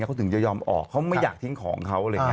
เขาถึงจะยอมออกเขาไม่อยากทิ้งของเขา